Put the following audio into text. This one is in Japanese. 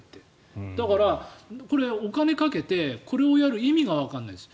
だから、お金をかけてこれをやる意味がわからないです。